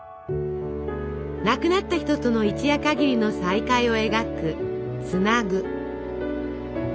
亡くなった人との一夜かぎりの再会を描く「ツナグ」。